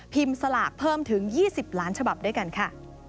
สลากเพิ่มถึง๒๐ล้านฉบับด้วยกันค่ะ